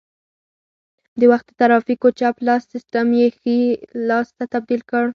د وخت د ترافیکو چپ لاس سیسټم یې ښي لاس ته تبدیل کړ